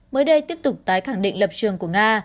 mới đây tiếp tục tái khẳng định lập trường của nga